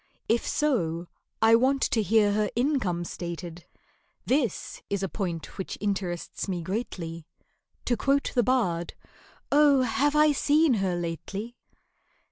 If so, I want to hear her income stated (This is a point which interests me greatly). To quote the bard, "Oh! have I seen her lately?"